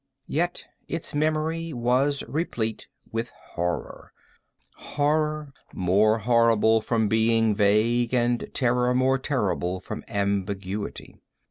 Yet its memory was replete with horror—horror more horrible from being vague, and terror more terrible from ambiguity.